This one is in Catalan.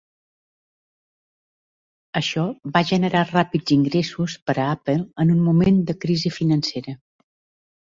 Això va generar ràpids ingressos per a Apple en un moment de crisi financera.